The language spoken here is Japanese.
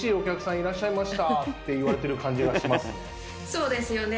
そうですよね。